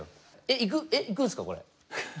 えっ行くんすかこれ？